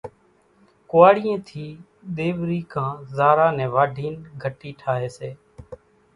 ڪوئاڙيئين ٿِي ۮيوري ڪان زارا نين واڍين گھٽي ٺاھي سي